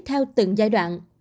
theo từng giai đoạn